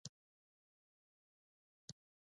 کاناډا د عدلي طب اداره لري.